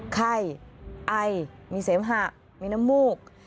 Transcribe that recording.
ไข้ไอมีเสมหะมีน้ำมูก